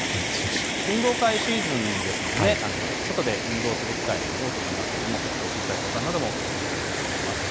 運動会シーズンですので外で運動する機会も多いと思いますが小さいお子さんなどご注意いただければと思います。